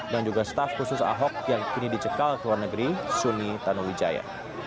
dan juga staf khusus ahok yang kini dicekal ke luar negeri suni tanuwijaya